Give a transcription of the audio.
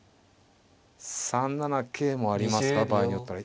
３七桂もありますか場合によったら。